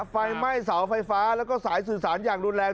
ไฟไหม้เสาไฟฟ้าแล้วก็สายสื่อสารอย่างรุนแรง